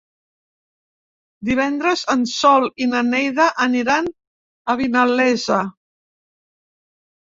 Divendres en Sol i na Neida aniran a Vinalesa.